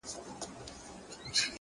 مهرباني د سختو زړونو قلف ماتوي!